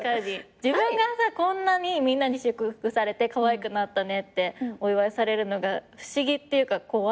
自分がさこんなにみんなに祝福されて「かわいくなったね」ってお祝いされるのが不思議っていうか怖い。